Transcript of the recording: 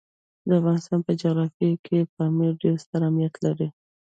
د افغانستان په جغرافیه کې پامیر ډېر ستر اهمیت لري.